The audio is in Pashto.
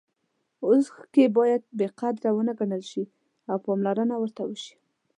اوښکې باید بې قدره ونه ګڼل شي او پاملرنه ورته وشي.